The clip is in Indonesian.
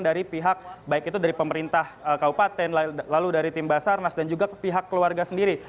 dari pihak baik itu dari pemerintah kaupaten lalu dari tim basarnas dan juga pihak keluarga sendiri